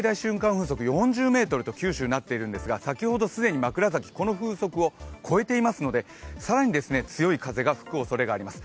風速４０メートルとなっていますが、先ほど、この風速を超えていますので更に強い風が吹くおそれがあります。